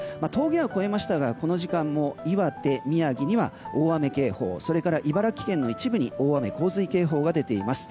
峠は越えましたがこの時間も岩手、宮城には大雨警報それから茨城県の一部に大雨洪水警報が出ています。